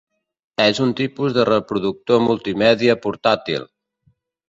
És un tipus de reproductor multimèdia portàtil.